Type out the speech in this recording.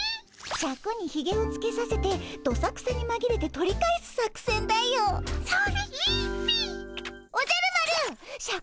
シャクにひげをつけさせてどさくさにまぎれて取り返す作戦であろう。